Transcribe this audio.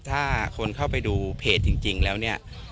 ถ้าคนเข้าไปดูเพจจริงแล้วเนี่ย